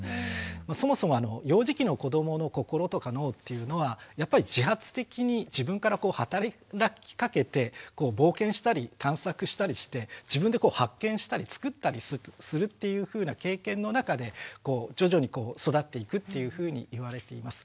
そもそも幼児期の子どもの心とか脳っていうのはやっぱり自発的に自分から働きかけて冒険したり探索したりして自分で発見したり作ったりするっていうふうな経験の中で徐々に育っていくっていうふうに言われています。